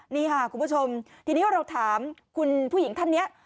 นี่ค่ะคุณผู้ชมทีนี้เราถามคุณผู้หญิงท่านนี้